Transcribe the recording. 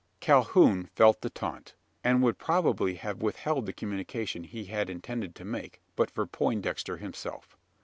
Calhoun felt the taunt; and would probably have withheld the communication he had intended to make, but for Poindexter himself.